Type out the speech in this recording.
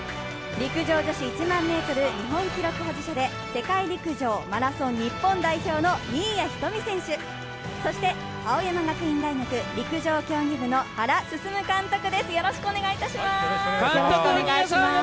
陸上女子１００００メートル、日本記録保持者で世界陸上マラソン日本代表の新谷仁美選手、そして青山学院大学陸上競技部の原晋監督です。